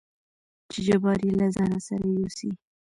چې جبار يې له ځانه سره يوسي.